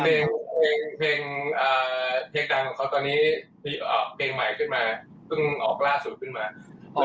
เพลงเพลงเทกดังของเขาตอนนี้ออกเพลงใหม่ขึ้นมา